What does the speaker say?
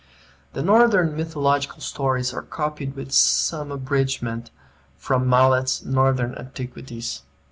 The Northern mythological stories are copied with some abridgment from Mallet's "Northern Antiquities."